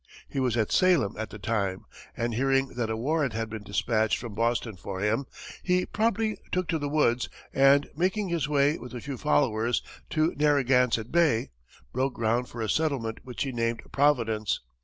He was at Salem at the time, and hearing that a warrant had been despatched from Boston for him, he promptly took to the woods, and, making his way with a few followers to Narragansett Bay, broke ground for a settlement which he named Providence.